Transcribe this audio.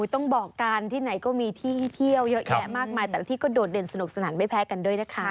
ต้องบอกกันที่ไหนก็มีที่เที่ยวเยอะแยะมากมายแต่ละที่ก็โดดเด่นสนุกสนานไม่แพ้กันด้วยนะคะ